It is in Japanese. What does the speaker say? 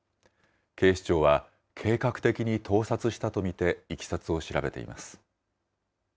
警視庁は、計画的に盗撮したと見て、いきさつを調べています。